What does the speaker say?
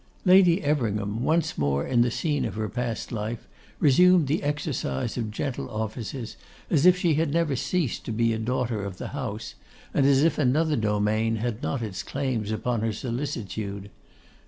Lady Everingham, once more in the scene of her past life, resumed the exercise of gentle offices, as if she had never ceased to be a daughter of the house, and as if another domain had not its claims upon her solicitude.